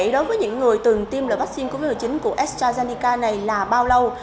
đối với những người từng tiêm loại vaccine covid một mươi chín của astrazeneca này là bao lâu